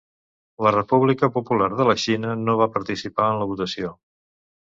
La República Popular de la Xina, no va participar en la votació.